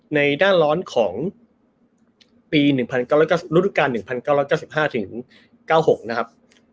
ในด้านร้อนของรุ่นการ๑๙๙๕๙๖นะครับ